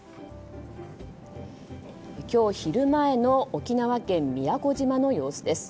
今日、昼前の沖縄県宮古島の様子です。